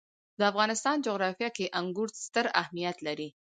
د افغانستان جغرافیه کې انګور ستر اهمیت لري.